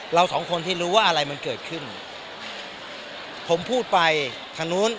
เราสองคนที่รู้ว่าอะไรมันเกิดขึ้นผมพูดไปทางนู้น